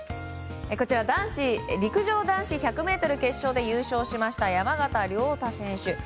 陸上男子１００ｍ決勝で優勝しました山縣亮太選手。